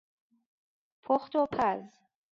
پخت و پز